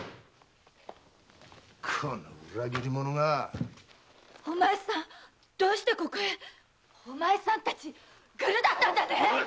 この裏切り者がお前さんどうしてここへお前さんたちグルだったんだね